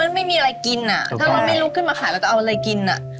มันไม่มีอะไรกินอ่ะถ้าเราไม่ลุกขึ้นมาขายเราจะเอาอะไรกินอ่ะ